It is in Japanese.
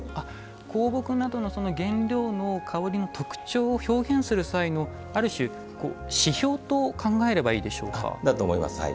香木などの原料の香りの特徴を表現する際のある種指標と考えればいいでしょうか。